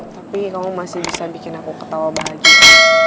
tapi kamu masih bisa bikin aku ketawa bahagia